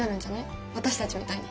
私たちみたいに。